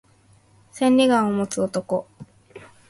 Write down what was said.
千里眼を持つ男